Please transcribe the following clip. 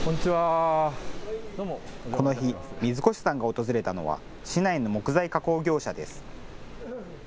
この日、水越さんが訪れたのは市内の木材加工業者です。